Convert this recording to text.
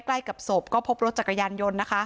ใกล้กับศพก็พบรถจักรยานยนต์นะคะ